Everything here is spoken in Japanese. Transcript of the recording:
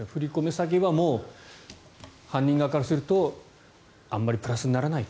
詐欺はもう犯人側からするとあまりプラスにならないと。